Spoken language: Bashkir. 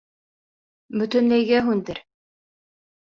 Бөтөнләйгә һүндер!